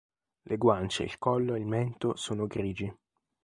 Le guance, il collo, il mento sono grigi.